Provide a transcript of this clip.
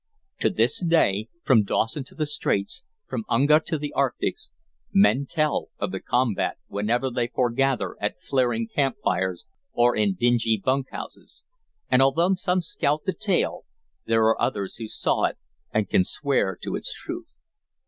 To this day, from Dawson to the Straits, from Unga to the Arctics, men tell of the combat wherever they foregather at flaring camp fires or in dingy bunkhouses; and although some scout the tale, there are others who saw it and can swear to its truth.